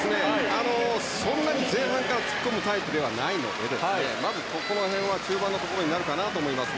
そんなに前半から突っ込むタイプではないのでまず中盤のところかなと思います。